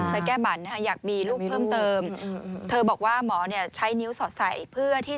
ไปแก้หมันหน่อยอยากมีลูกเพิ่มเติม